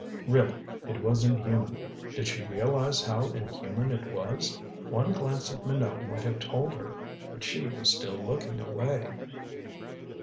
Really, it was inhuman. Did she realize how inhuman it was? One glance at Minot might have told her. But she was still looking away.